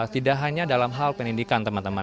tidak hanya dalam hal pendidikan teman teman